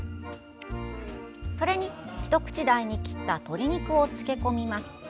それに一口大に切った鶏肉を漬け込みます。